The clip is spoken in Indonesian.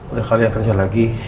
udah kalian kerja lagi